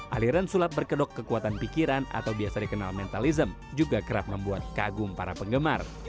aliran sulap berkedok kekuatan pikiran atau biasa dikenal mentalism juga kerap membuat kagum para penggemar